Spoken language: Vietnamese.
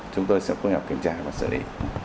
chúng tôi sẽ phối hợp kiểm tra và xử lý